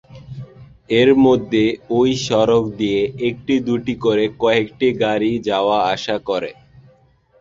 এর মধ্যে ওই সড়ক দিয়ে একটি দুটি করে কয়েকটি গাড়ি যাওয়া-আসা করে।